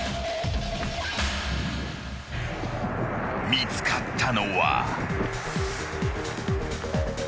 ［見つかったのは］